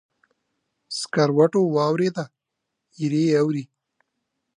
سکروټو واوریده، ایره یې اوري